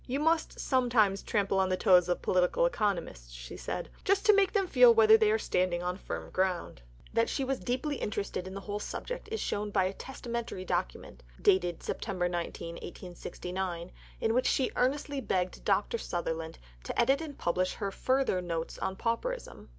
"You must sometimes trample on the toes of Political Economists," she said, "just to make them feel whether they are standing on firm ground." That she was deeply interested in the whole subject is shown by a testamentary document, dated September 19, 1869, in which she earnestly begged Dr. Sutherland to edit and publish her further "Notes on Pauperism."